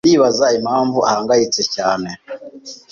Ndibaza impamvu ahangayitse cyane.